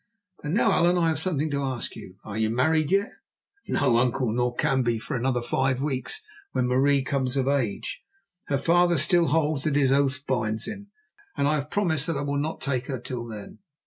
And now, Allan, I have something to ask you. Are you married yet?" "No, uncle, nor can be for another five weeks, when Marie comes of age. Her father still holds that his oath binds him, and I have promised that I will not take her till then."